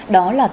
đó là cam kết